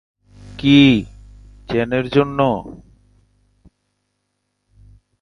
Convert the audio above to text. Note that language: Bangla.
কী, জেনের জন্য?